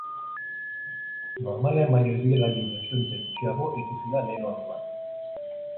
Normalean baino ibilgailu dezente gutxiago ikusi da lehen orduan.